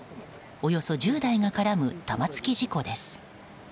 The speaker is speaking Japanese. およそ１０台が絡む玉突き事故です。